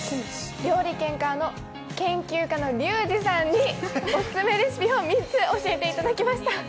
料理研究家のリュウジさんにオススメレシピを３つ教えていただきました。